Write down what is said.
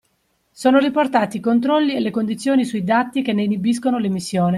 Sono riportati i controlli e le condizioni sui dati che ne inibiscono l’emissione.